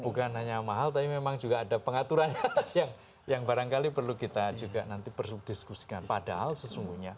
bukan hanya mahal tapi memang juga ada pengaturan yang barangkali perlu kita juga nanti berdiskusikan padahal sesungguhnya